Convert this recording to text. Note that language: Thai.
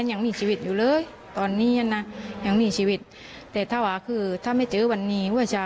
ยังไม่มีชีวิตแต่ถ้าไม่เจอวันนี้วันเช้า